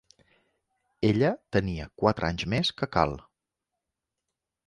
Ella tenia quatre anys més que Karl.